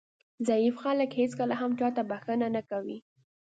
ضعیف خلک هېڅکله هم چاته بښنه نه کوي.